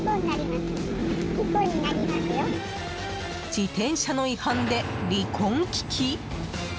自転車の違反で離婚危機？